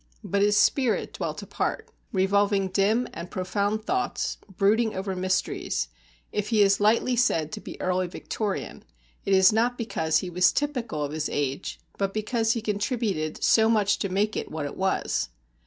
But his spirit dwelt apart, revolving dim and profound thoughts, brooding over mysteries; if he is lightly said to be Early Victorian, it is not because he was typical of his age, but because he contributed so much to make it what it was.